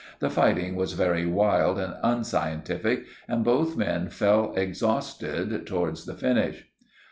The fighting was very wild and unscientific, and both men fell exhausted towards the finish.